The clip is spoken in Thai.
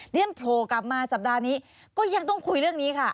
เรียนโผล่กลับมาสัปดาห์นี้ก็ยังต้องคุยเรื่องนี้ค่ะ